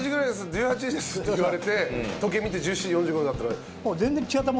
「１８時です」って言われて時計見て１７時４５分だったら。